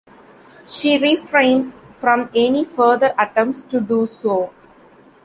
She refrains from any further attempts to do so.